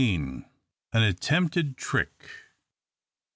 AN ATTEMPTED TRICK.